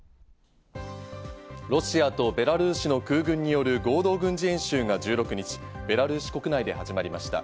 ロシアとベラルーシの空軍による合同軍事演習が１６日、ベラルーシ国内で始まりました。